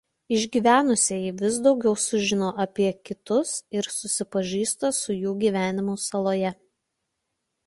Išgyvenusieji vis daugiau sužino apie „Kitus“ ir susipažįsta su jų gyvenimu saloje.